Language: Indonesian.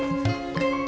aduh aduh aduh